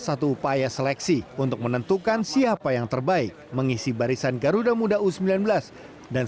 satu upaya seleksi untuk menentukan siapa yang terbaik mengisi barisan garuda muda u sembilan belas dan